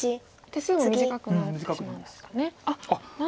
手数も短くなってしまうんですかね。